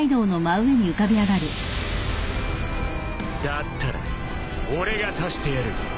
だったら俺が足してやる。